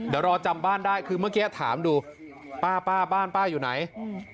เดี๋ยวรอจำบ้านได้คือเมื่อกี้ถามดูป้าป้าบ้านป้าอยู่ไหนอืม